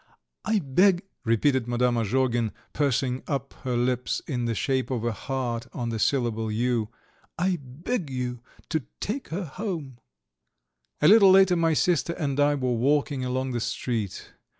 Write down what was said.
. I beg," repeated Madame Azhogin, pursing up her lips in the shape of a heart on the syllable "you." "I beg you to take her home." XVIII A little later my sister and I were walking along the street.